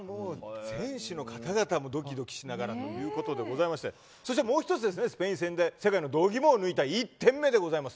選手の方々もドキドキしながらということでございましてもう一つスペイン戦で世界の度肝を抜いた１点目です。